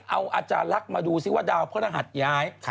เอาอาจารย์ลักษณ์มาดูซิว่าดาวพระรหัสย้าย